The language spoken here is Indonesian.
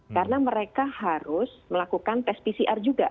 karena mereka harus melakukan tes pcr juga